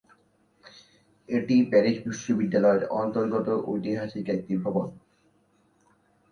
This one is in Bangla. এটি প্যারিস বিশ্ববিদ্যালয়ের অন্তর্গত ঐতিহাসিক একটি ভবন।